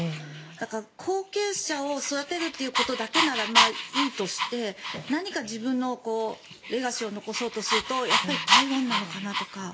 だから、後継者を育てるということだけならまあいいとして何か自分のレガシーを残そうとするとやっぱり台湾なのかなとか。